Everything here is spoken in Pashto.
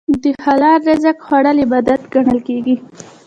د حلال رزق خوړل عبادت ګڼل کېږي.